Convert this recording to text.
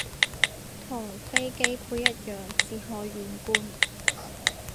同飛機杯一樣只可遠觀